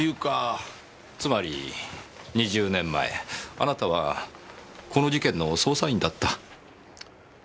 つまり２０年前あなたはこの事件の捜査員だった？